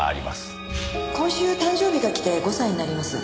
今週誕生日が来て５歳になります。